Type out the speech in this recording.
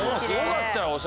すごかったよ